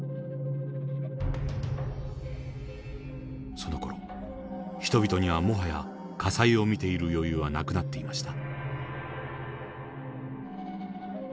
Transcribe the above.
そのころ人々にはもはや火災を見ている余裕はなくなっていました。